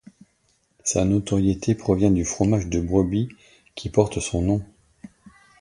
Sa notoriété provient du fromage de brebis qui porte son nom.